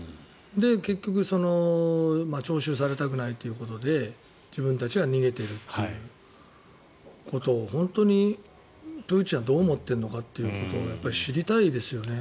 結局徴収されたくないということで自分たちは逃げているということを本当にプーチンがどう思っているかということは知りたいですよね。